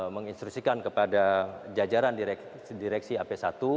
menginstruksikan kepada jajaran direksi ap satu